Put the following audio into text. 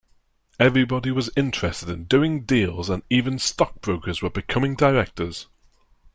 Everybody was interested in doing deals and even stockbrokers were becoming directors.